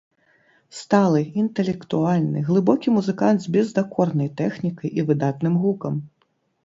Сталы, інтэлектуальны, глыбокі музыкант з бездакорнай тэхнікай і выдатным гукам.